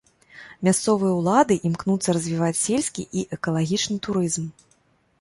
Мясцовыя ўлады імкнуцца развіваць сельскі і экалагічны турызм.